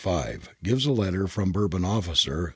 5, gives a letter from a Bourbon officer.